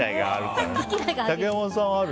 竹山さんはある？